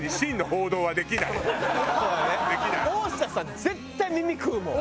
大下さん絶対耳食うもん。